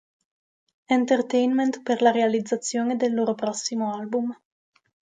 Entertainment per la realizzazione del loro prossimo album.